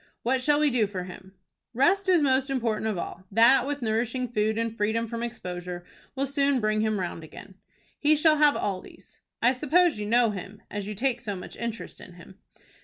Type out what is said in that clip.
"What shall we do for him?" "Rest is most important of all. That, with nourishing food and freedom from exposure, will soon bring him round again." "He shall have all these." "I suppose you know him, as you take so much interest in him?"